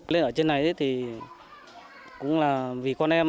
lên ở trên này thì cũng là vì con em